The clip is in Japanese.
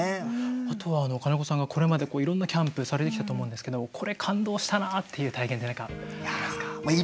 あとは金子さんがこれまでいろんなキャンプされてきたと思うんですけどこれ感動したなっていう体験って何かありますか？